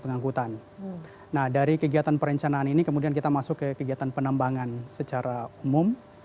pengangkutan nah dari kegiatan perencanaan ini kemudian kita masuk ke kegiatan penambangan secara umum